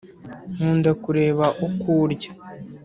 nkunda kureba uko urya